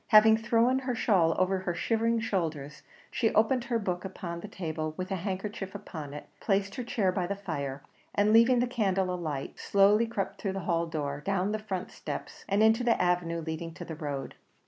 Having thrown her shawl over her shivering shoulders, she opened her book upon the table with a handkerchief upon it placed her chair by the fire, and leaving the candle alight, slowly crept through the hall door, down the front steps, and into the avenue leading to the road.